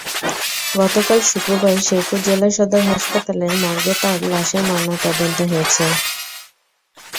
গতকাল শুক্রবার শেরপুর জেলা সদর হাসপাতালের মর্গে তাঁর লাশের ময়নাতদন্ত হয়েছে।